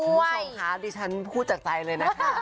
คุณผู้ชมคะดิฉันพูดจากใจเลยนะคะ